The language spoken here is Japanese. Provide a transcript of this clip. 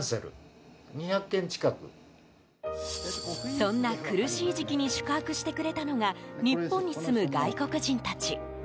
そんな苦しい時期に宿泊してくれたのが日本に住む外国人たち。